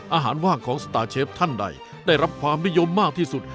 อาหารว่างของสตาร์เชฟท่านใดได้รับความนิยมมากที่สุด